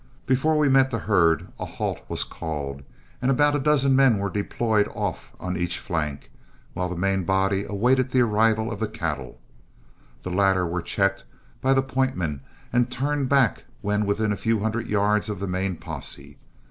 Before we met the herd a halt was called, and about a dozen men were deployed off on each flank, while the main body awaited the arrival of the cattle. The latter were checked by the point men and turned back when within a few hundred yards of the main posse.